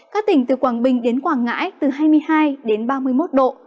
các tỉnh từ quảng bình đến quảng ngãi từ hai mươi hai đến ba mươi một độ